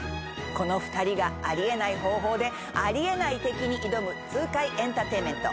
この２人がありえない方法でありえない敵に挑む痛快エンターテインメント。